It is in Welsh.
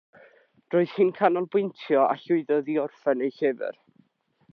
Roedd hi'n canolbwyntio, a llwyddodd i orffen ei llyfr